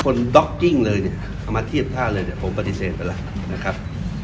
ด๊อกกิ้งเลยเนี่ยเอามาเทียบท่าเลยเดี๋ยวผมปฏิเสธไปแล้วนะครับ